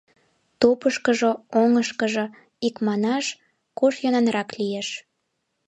Тупышкыжо, оҥышкыжо — икманаш, куш йӧнанрак лиеш.